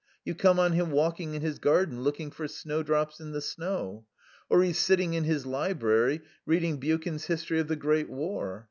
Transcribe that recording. You come on him walking in his garden looking for snowdrops in the snow. Or he's sitting in his library, reading Buchan's 'History of the Great War.'